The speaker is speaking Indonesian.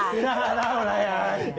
kita gak tau lah ya